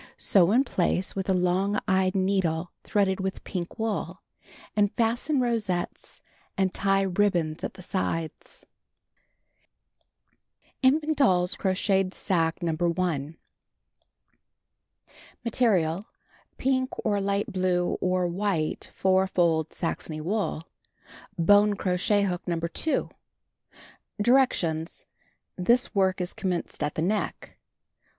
Sew in place with a long eyed needle threaded with pink wool, and fasten rosettes and tie ribbons at the sides. INFANl^ DOLL'S CROCHETED SACQUE NO. 1* Material: Pink, or light blue, or white, four fold Saxony wool, hook, No. 2. Directions: Tills work is commenced at the neck.